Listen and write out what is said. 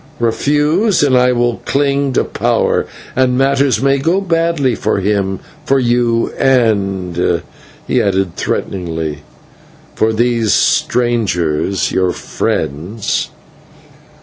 Refuse, and I will cling to power, and matters may go badly for him, for you, and " he added threateningly, "for these strangers, your friends."